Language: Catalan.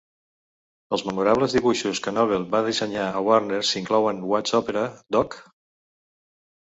Els memorables dibuixos que Noble va dissenyar a Warners inclouen What's Opera, Doc?